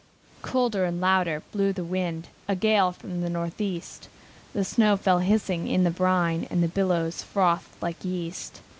Colder and louder blew the wind, A gale from the Northeast, The snow fell hissing in the brine, And the billows frothed like yeast.